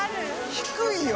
低いよ。